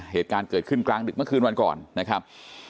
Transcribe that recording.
เหตุการณ์เกิดขึ้นกลางดึกเมื่อคืนวันก่อนนะครับ